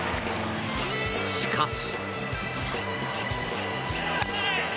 しかし。